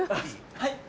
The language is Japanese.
はい。